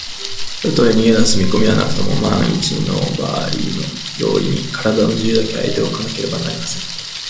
たとえ逃げだす見こみはなくとも、まんいちのばあいの用意に、からだの自由だけは得ておかねばなりません。